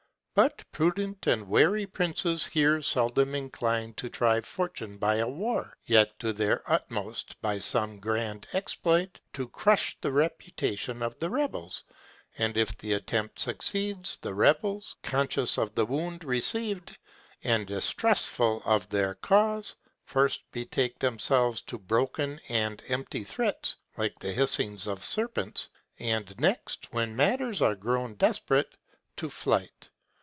But prudent and wary princes here seldom incline to try fortune by a war, yet do their utmost, by some grand exploit, to crush the reputation of the rebels; and if the attempt succeeds, the rebels, conscious of the wound received, and distrustful of their cause, first betake themselves to broken and empty threats, like the hissings of serpents; and next, when matters are grown desperate, to flight.